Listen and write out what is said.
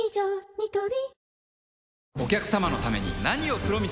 ニトリ